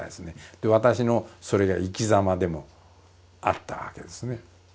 で私のそれが生きざまでもあったわけですね。